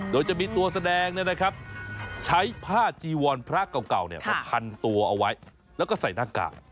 โดยจะมีตัวแสดงใช้ผ้าจีวรพระเก่ามาพันตัวเอาไว้แล้วก็ใส่หน้ากาก